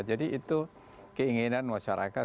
jadi itu keinginan masyarakat